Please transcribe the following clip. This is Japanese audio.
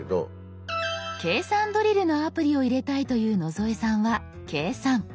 計算ドリルのアプリを入れたいという野添さんは「計算」。